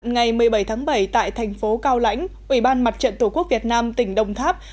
ngày một mươi bảy tháng bảy tại thành phố cao lãnh ủy ban mặt trận tổ quốc việt nam tỉnh đồng tháp